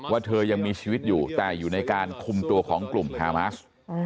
เธอยังมีชีวิตอยู่แต่อยู่ในการคุมตัวของกลุ่มฮามาส